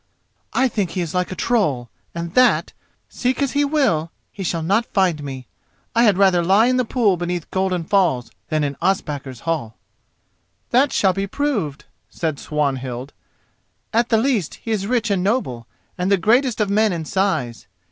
"I think he is like a troll, and that, seek as he will, he shall not find me. I had rather lie in the pool beneath Golden Falls than in Ospakar's hall." "That shall be proved," said Swanhild. "At the least he is rich and noble, and the greatest of men in size.